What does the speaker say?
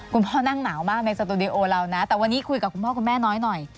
คุณพ่อนั่งหนาวมากในสตูดิโอเรานะแต่วันนี้คุยกับคุณพ่อคุณแม่น้อยหน่อย